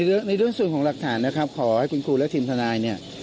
ในเรื่องส่วนของหลักฐานนะครับขอให้คุณครูและทีมทนายเนี่ย